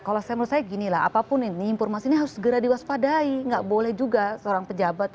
kalau saya gini lah apapun ini informasi harus segera diwaspadai nggak boleh juga seorang pejabat